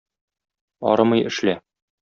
Арымый эшлә.